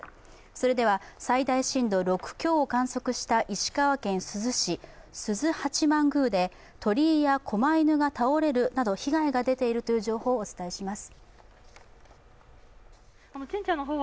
それでは最大震度６強を観測した石川県珠洲市須受八幡宮で鳥居やこま犬が倒れるなど被害が出ているという情報をお伝えします。